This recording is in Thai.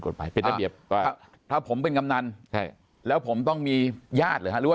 กฎภายเป็นระเบียบถ้าผมเป็นกำนันแล้วผมต้องมีญาติหรือว่า